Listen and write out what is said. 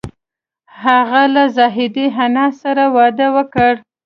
هغه له زاهدې حنا سره واده وکړ